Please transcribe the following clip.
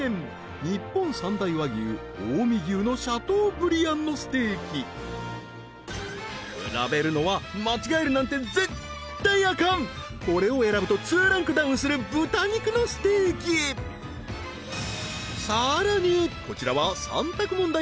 日本三大和牛近江牛のシャトーブリアンのステーキ比べるのは間違えるなんて絶対アカンこれを選ぶと２ランクダウンする豚肉のステーキさらにこちらは３択問題